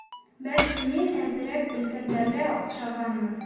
Бәлки мин әҙерәк өлкәндәргә оҡшағанмын.